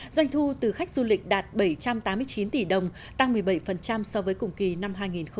doanh thu từ khách du lịch đạt bảy trăm tám mươi chín tỷ đồng tăng một mươi bảy so với cùng kỳ năm hai nghìn một mươi tám